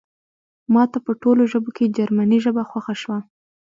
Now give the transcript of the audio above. ماته په ټولو ژبو کې جرمني ژبه خوښه شوه